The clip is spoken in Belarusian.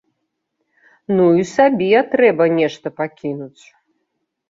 Ну і сабе трэба нешта пакінуць.